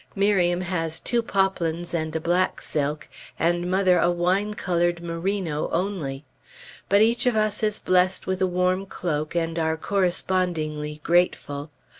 Miriam has two poplins and a black silk, and mother a wine colored merino, only. But each of us is blessed with a warm cloak, and are correspondingly grateful.